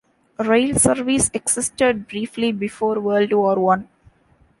Rail service existed briefly before World War One.